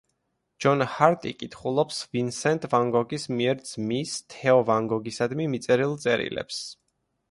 ჯონ ჰარტი კითხულობს ვინსენტ ვან გოგის მიერ ძმის, თეო ვან გოგისადმი მიწერილ წერილებს.